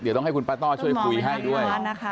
เดี๋ยวต้องให้คุณป้าต้อช่วยคุยให้ด้วย